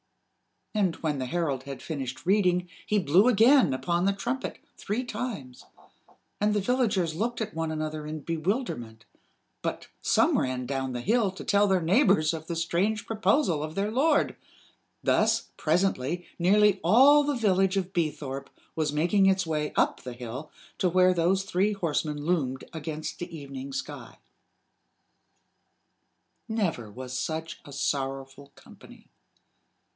And when the herald had finished reading he blew again upon the trumpet three times; and the villagers looked at one another in bewilderment but some ran down the hill to tell their neighbors of the strange proposal of their lord. Thus, presently, nearly all the village of Beethorpe was making its way up the hill to where those three horsemen loomed against the evening sky. Never was such a sorrowful company.